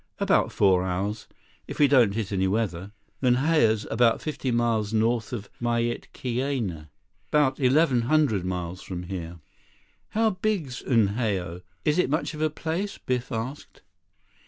"About four hours. If we don't hit any weather. Unhao's about fifty miles north of Myitkyina. 'Bout eleven hundred miles from here." "How big's Unhao. Is it much of a place?" Biff asked.